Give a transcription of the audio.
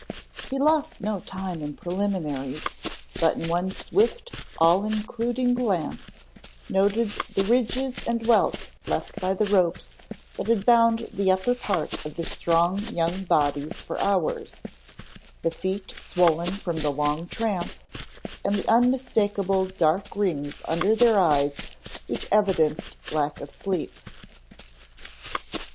He lost no time in preliminaries but in one swift, all including glance, noted the ridges and welts left by the ropes that had bound the upper part of the strong young bodies for hours, the feet swollen from the long tramp, and the unmistakable dark rings under their eyes which evidenced lack of sleep.